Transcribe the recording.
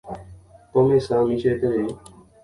Ko mesa michĩeterei.